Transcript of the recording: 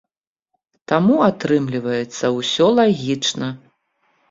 Таму атрымліваецца ўсё лагічна.